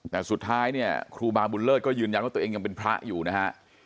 แต่สุดท้ายเนี่ยครูบาบุญเลิศก็ยืนยันว่าตัวเองยังเป็นพระอยู่นะฮะ